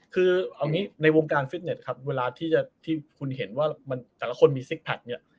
คือในวงการฟิศเนสเวลาที่คุณเห็นว่าแต่ละคนมีซิคแพท